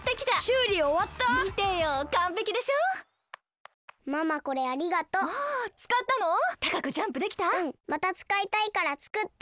うんまたつかいたいからつくって！